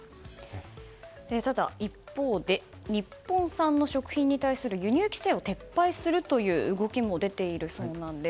ただ、一方で日本産の食品に対する輸入規制を撤廃する動きも出ているそうなんです。